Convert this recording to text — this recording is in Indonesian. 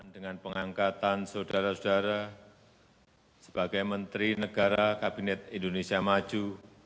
dengan pengangkatan saudara saudara sebagai menteri negara kabinet indonesia maju